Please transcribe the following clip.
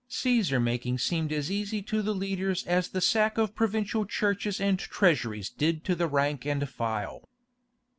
Cæsar making seemed as easy to the leaders as the sack of provincial churches and treasuries did to the rank and file.